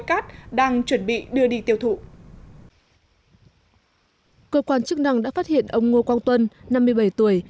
cát đang chuẩn bị đưa đi tiêu thụ cơ quan chức năng đã phát hiện ông ngô quang tuân năm mươi bảy tuổi